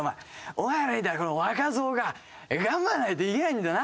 お前らみたいな若造が頑張らないといけないんだよな。